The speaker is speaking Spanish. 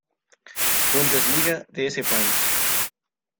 Bundesliga de ese país.